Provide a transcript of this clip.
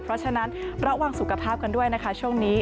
เพราะฉะนั้นระวังสุขภาพกันด้วยนะคะช่วงนี้